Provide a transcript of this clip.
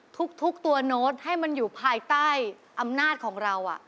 ทุกตัวโน้ตให้มันอยู่ภายใต้อำนาจของเรา